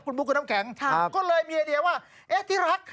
คุณบุ๊คคุณน้ำแข็งก็เลยมีไอเดียว่าเอ๊ะที่รัก